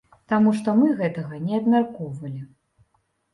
Таму што мы гэтага не абмяркоўвалі.